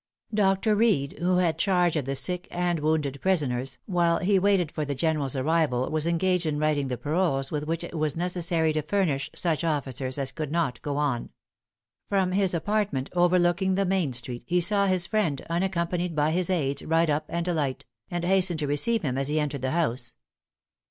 Dr. Reed, who had charge of the sick and wounded prisoners, while he waited for the General's arrival was engaged in writing the paroles with which it was necessary to furnish such officers as could not go on. From his apartment overlooking the main street, he saw his friend, unaccompanied by his aids, ride up and alight; and hastened to receive him as he entered the house.